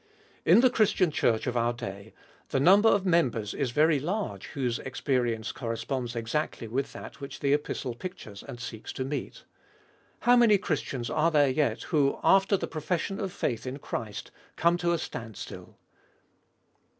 In the Christian Church of our day the number of members is very large, whose experience corresponds exactly with that which the Epistle pictures and seeks to meet. How many Christians are there yet who, after the profession of faith in Christ, come to a standstill.